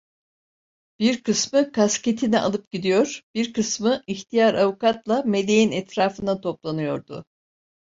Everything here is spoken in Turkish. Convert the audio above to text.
Bir kısmı kasketini alıp gidiyor, bir kısmı ihtiyar avukatla Meleğin etrafına toplanıyordu.